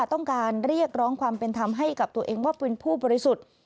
ต้องการเรียกร้องความเป็นธรรมให้กับตัวเองว่าเป็นผู้บริสุทธิ์